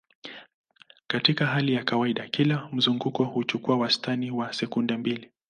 Katika hali ya kawaida, kila mzunguko huchukua wastani wa sekunde mbili.